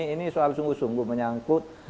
ini soal sungguh sungguh menyangkut